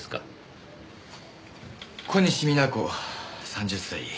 小西皆子３０歳。